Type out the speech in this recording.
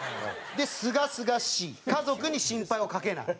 で「すがすがしい」「家族に心配をかけない」。